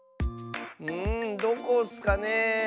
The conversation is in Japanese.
んどこッスかね？